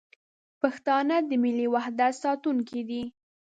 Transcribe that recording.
پښتانه د ملي وحدت ساتونکي دي.